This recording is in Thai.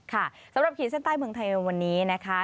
สำหรับขีดเส้นใต้เมืองไทยในวันนี้นะคะ